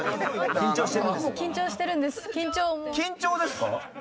緊張ですか？